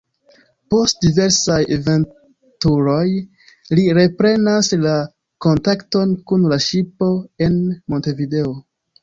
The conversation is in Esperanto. Post diversaj aventuroj, li reprenas la kontakton kun la ŝipo en Montevideo.